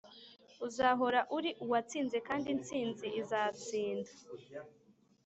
uzahora uri uwatsinze, kandi intsinzi izatsinda.